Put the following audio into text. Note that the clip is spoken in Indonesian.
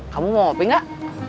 kamu mau kopi gak